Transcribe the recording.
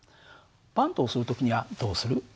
バントをする時にはどうする？